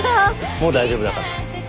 もう大丈夫だから。